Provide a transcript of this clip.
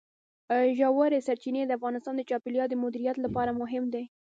ژورې سرچینې د افغانستان د چاپیریال د مدیریت لپاره مهم دي.